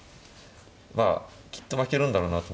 まあきっと負けるんだろうなと。